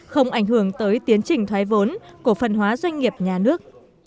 không ảnh hưởng tới tiến trình thoái vốn cổ phần hóa doanh nghiệp nhà nước